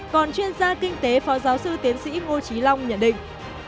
còn chuyên gia kinh tế phó giáo sư tiến sĩ ngô trí long nhận định